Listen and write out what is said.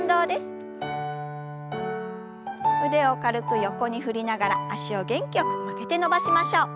腕を軽く横に振りながら脚を元気よく曲げて伸ばしましょう。